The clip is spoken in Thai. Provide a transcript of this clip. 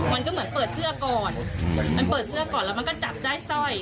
มันก็เหมือนเปิดเสื้อก่อนมันเปิดเสื้อก่อนแล้วมันก็จับได้สร้อย